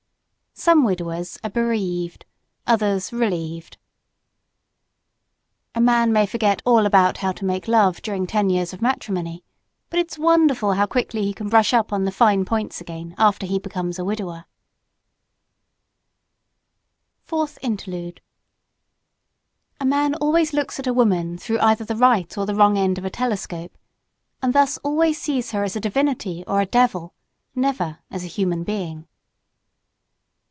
Some widowers are bereaved others, relieved. A man may forget all about how to make love during ten years of matrimony, but it's wonderful how quickly he can brush up on the fine points again after he becomes a widower. FOURTH INTERLUDE A MAN always looks at a woman through either the right or the wrong end of a telescope, and thus always sees her as a divinity or a devil never as a human being.